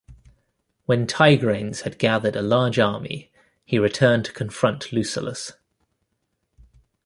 When Tigranes had gathered a large army he returned to confront Lucullus.